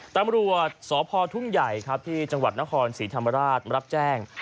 ตำรวจสพทุ่งใหญ่ครับที่จังหวัดนครศรีธรรมราชรับแจ้ง